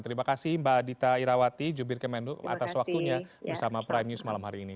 terima kasih mbak adita irawati jubir kemenlu atas waktunya bersama prime news malam hari ini